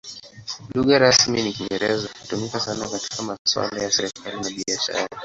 Lugha rasmi ni Kiingereza; hutumika sana katika masuala ya serikali na biashara.